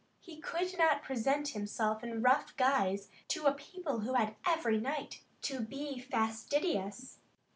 He could not present himself in rough guise to a people who had every right to be fastidious.